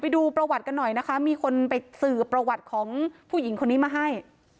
ดูประวัติของผู้หญิงคนนี้มาให้